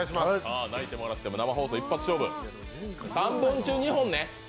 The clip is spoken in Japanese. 泣いても笑っても一本勝負、３本中２本ね。